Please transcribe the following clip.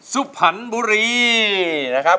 สุภัณฑ์บุรีนะครับ